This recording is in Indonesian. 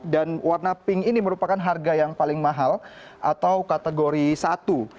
dan warna pink ini merupakan harga yang paling mahal atau kategori satu